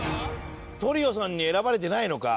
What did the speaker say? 『３３３トリオさん』に選ばれてないのか。